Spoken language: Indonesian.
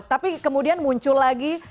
tapi kemudian muncul lagi